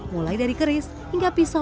mulai dari keris hingga pisau pisau unik